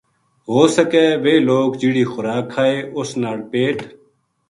ہو سکے ویہ لوک جہڑی خوراک کھائے اس نال پیٹ